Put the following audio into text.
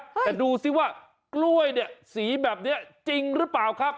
แต่ดูสิว่ากล้วยเนี่ยสีแบบนี้จริงหรือเปล่าครับ